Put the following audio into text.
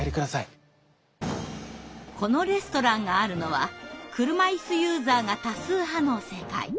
このレストランがあるのは車いすユーザーが多数派の世界。